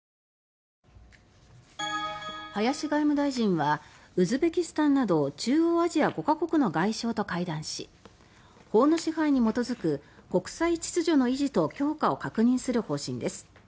林外務大臣はウズベキスタンなど中央アジア５か国の外相と会談し法の支配に基づく国際秩序の維持と強化を確認する方針です。